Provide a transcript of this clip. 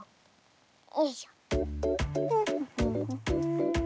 よいしょ。